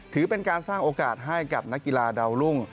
ถือเป็นการสร้างโอกาสให้กับนักกีฬาดาวรุ่ง